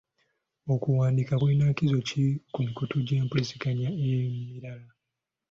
Okuwandiika kulina nkizo ki ku mikutu gy'empuliziganya emirala?